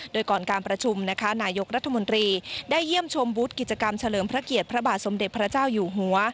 โดยก่อนการประชุมนะคะนายกรัฐมนตรีได้เยี่ยมชมบุตรกิจกรรมเฉลิมพระเกียรติพระบาทสมเด็จพระเจ้าอยู่หัว